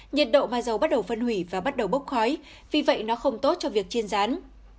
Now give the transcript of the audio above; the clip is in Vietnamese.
nhiệt độ mai dầu bắt đầu phân hủy và bắt đầu bốc khói vì vậy nó không tốt cho việc chiên rán